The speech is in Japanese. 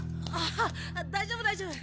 あっ大丈夫大丈夫。